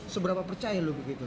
seberapa percaya lu begitu